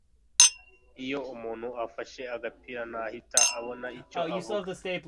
Iyo umuntu afashe agapira ntahite abona icyo avuga